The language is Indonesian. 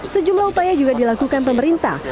sejumlah upaya juga dilakukan pemerintah